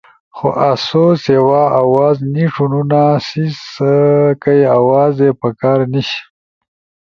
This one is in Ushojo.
خو آسو سیوا آواز نی ݜونونا سیں آوازے پکار نیِش۔